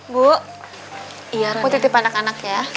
bu iya bu titip anak anak ya